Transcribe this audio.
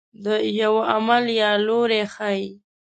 د یوه عمل یا لوری ښيي.